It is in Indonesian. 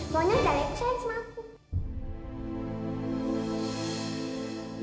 maunya dari kesayangan aku